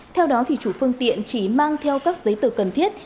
theo đó chủ phương tiện chỉ mang theo các giấy tờ cần thiết